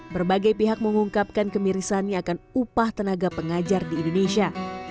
berbagai pihak mengungkapkan kemirisannya akan upah tenaga pengajar di indonesia